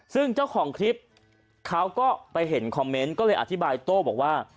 ซึ่งเจ้าของคลิปเขาก็ไปเห็นคอมเมนต์ก็เลยอธิบายโต้บอกว่า